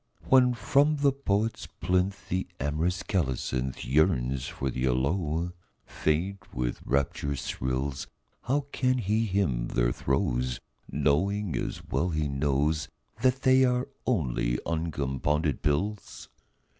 When from the poet's plinth The amorous colocynth Yearns for the aloe, faint with rapturous thrills, How can he hymn their throes Knowing, as well he knows, That they are only uncompounded pills?